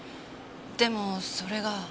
でもそれが。